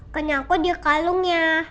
kena aku di kalungnya